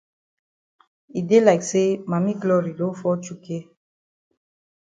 E dey like say Mami Glory don fall chukay.